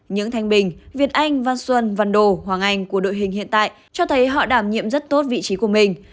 những thanh bình việt anh văn xuân văn đồ hoàng anh của đội hình hiện tại cho thấy họ đảm nhiệm rất tốt vị trí của mình